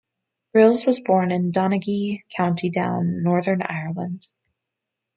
Grylls was born in Donaghadee, County Down, Northern Ireland.